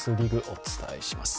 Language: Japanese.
お伝えします。